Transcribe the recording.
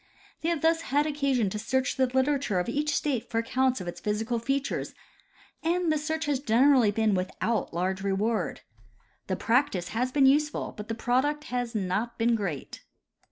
They have thus had occasion to search the literature of each state for accounts of its physical features, and the search has generally been without large reward . The practice has been useful, but the product has not been great.